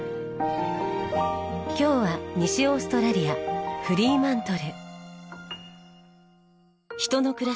今日は西オーストラリアフリーマントル。